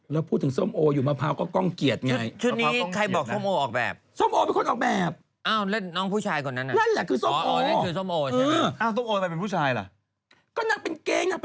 แล้วพูดถึงส้มโออยู่มะพร้าวก็ก้องเกียจไง